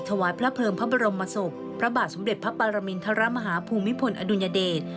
ถวายพระเพลิงพระบรมศพพระบาทสมเด็จพระปรมินทรมาฮาภูมิพลอดุลยเดช